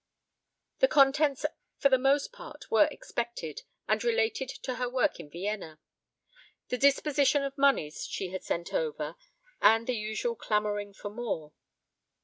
The contents for the most part were expected, and related to her work in Vienna, the disposition of moneys she had sent over, and the usual clamoring for more.